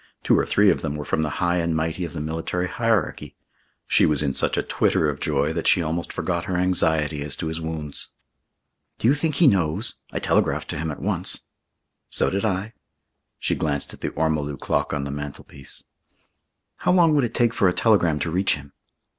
Two or three of them were from the High and Mighty of the Military Hierarchy. She was in such a twitter of joy that she almost forgot her anxiety as to his wounds. "Do you think he knows? I telegraphed to him at once." "So did I." She glanced at the ormolu clock on the mantelpiece. "How long would it take for a telegram to reach him?"